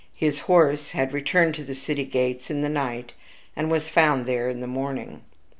His horse had returned to the city gates in the night, and was found there in the morning.